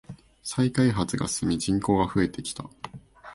再開発が進み人口が増えてきた。